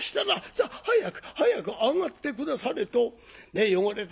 さっ早く早く上がって下され」と汚れた